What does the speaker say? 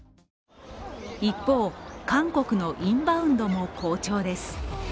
一方、韓国のインバウンドも好調です。